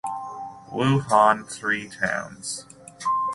Wuhan Three Towns